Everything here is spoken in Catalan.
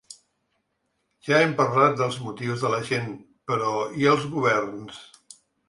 Ja hem parlat dels motius de la gent, però, i els governs?